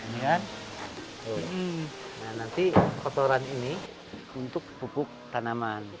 nah nanti kotoran ini untuk pupuk tanaman